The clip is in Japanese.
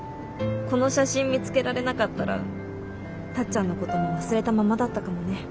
この写真見つけられなかったらタッちゃんのことも忘れたままだったかもね。